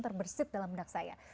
terbersih dalam mendak saya